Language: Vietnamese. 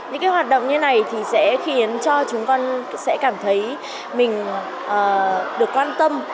những cái hoạt động như này thì sẽ khiến cho chúng con sẽ cảm thấy mình được quan tâm